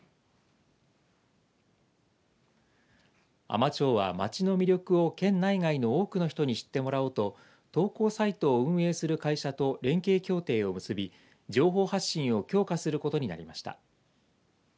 海士町は町の魅力を県内外の多くの人に知ってもらおうと投稿サイトを運営する会社と連携協定を結び情報発信を強化することになりました。